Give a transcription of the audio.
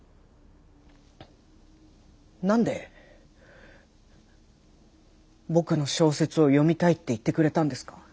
何で僕の小説を読みたいって言ってくれたんですか？